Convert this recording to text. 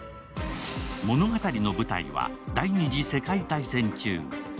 物語の舞台は第二次世界大戦中。